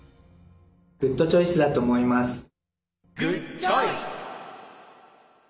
グッドチョイスだと思います。